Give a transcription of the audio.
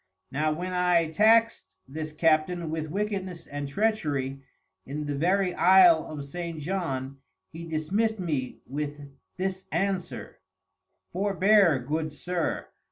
Now when I taxed this Captain with Wickedness and Treachery in the very Isle of St. John, he dismist me with this Answer; _Forbear good Sir.